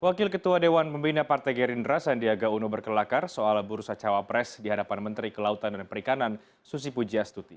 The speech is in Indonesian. wakil ketua dewan pembina partai gerindra sandiaga uno berkelakar soal bursa cawapres di hadapan menteri kelautan dan perikanan susi pujiastuti